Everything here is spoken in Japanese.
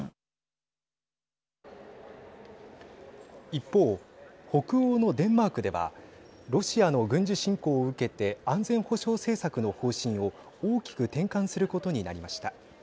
一方、北欧のデンマークではロシアの軍事侵攻を受けて安全保障政策の方針を大きく転換することになりました。